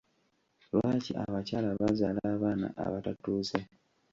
Lwaki abakyala bazaala abaana abatatuuse?